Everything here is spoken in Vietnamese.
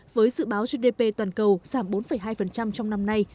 với dự báo gdp toàn cầu giảm bốn hai trong năm nay